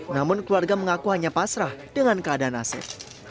namun keluarga mengaku hanya pasrah dengan keadaan asep